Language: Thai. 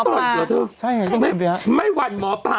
เพราะวันนี้พี่เอาผิดของหมอปลา